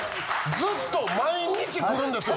ずっと毎日来るんです。